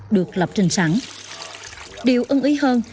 điều ưng ý hơn